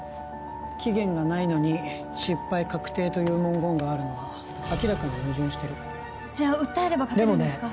期限がないのに失敗確定という文言があるのは明らかに矛盾してるじゃ訴えれば勝てるんですか？